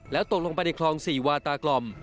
แล้วตกลงไปในคลอง๔วาตากล่อม